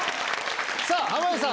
さぁ濱家さん